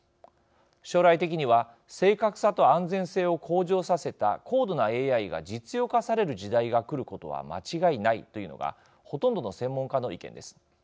将来的には正確さと安全性を向上させた高度なＡＩが実用化される時代がくることは間違いないというのがほとんどの専門家の意見です。